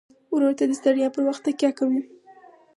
ورور ته د ستړیا پر وخت تکیه کوي.